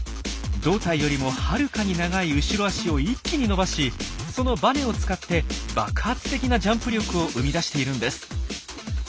胴体よりもはるかに長い後ろ足を一気に伸ばしそのバネを使って爆発的なジャンプ力を生み出しているんです。